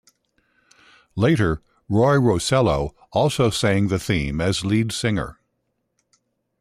Later, Roy Rosello also sang the theme as lead singer.